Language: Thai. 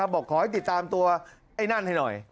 บอกขอให้ติดตามตัวไอ้นั่นให้หน่อย